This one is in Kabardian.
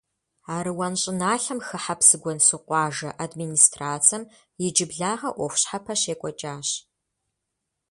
Аруан щӀыналъэм хыхьэ Псыгуэнсу къуажэ администрацэм иджыблагъэ Ӏуэху щхьэпэ щекӀуэкӀащ.